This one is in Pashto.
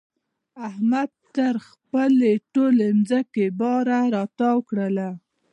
احمد تر خپلې ټولې ځمکې باره را تاو کړله.